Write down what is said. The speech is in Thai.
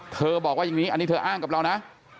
บอกว่าอย่างนี้อันนี้เธออ้างกับเรานะ